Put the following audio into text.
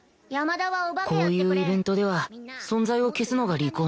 こういうイベントでは存在を消すのが利口な生き方だ